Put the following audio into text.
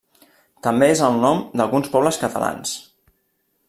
També és el nom d'alguns pobles catalans.